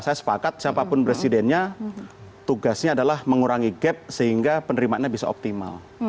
saya sepakat siapapun presidennya tugasnya adalah mengurangi gap sehingga penerimaannya bisa optimal